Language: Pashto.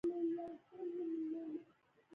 ډېر غریب او نېستمن خلک وي.